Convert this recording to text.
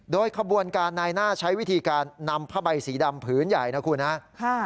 โดยขบวนการนายหน้าใช้วิธีการนำผ้าใบสีดำผืนใหญ่นะครับ